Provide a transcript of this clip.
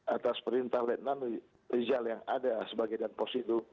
atas perintah letnan rizal yang ada sebagai dan pos itu